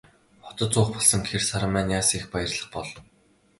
Хотод суух болсон гэхээр Саран маань яасан их баярлах бол.